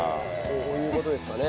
こういう事ですかね。